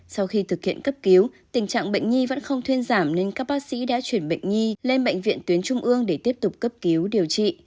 sau khi thực hiện cấp cứu tình trạng bệnh nhi vẫn không thuyên giảm nên các bác sĩ đã chuyển bệnh nhi lên bệnh viện tuyến trung ương để tiếp tục cấp cứu điều trị